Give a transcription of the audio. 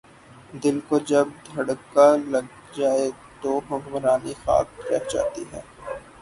دل کو جب دھڑکا لگ جائے تو حکمرانی خاک رہ جاتی ہے۔